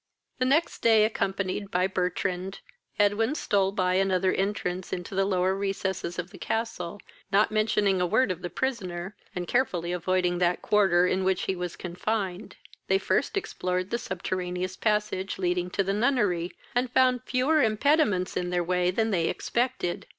The next day, accompanied by Bertrand, Edwin stole by another entrance into the lower recesses of the castle, not mentioning a word of the prisoner, and carefully avoiding that quarter in which he was confined. They first explored the subterraneous passage, leading to the nunnery, and found fewer impediments in their way than they expected.